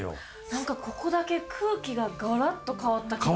何かここだけ空気がガラっと変わった感じする。